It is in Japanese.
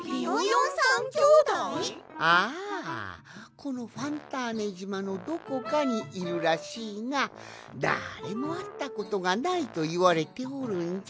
このファンターネじまのどこかにいるらしいがだれもあったことがないといわれておるんじゃ。